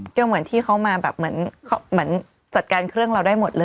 ก็เหมือนที่เขามาแบบเหมือนจัดการเครื่องเราได้หมดเลย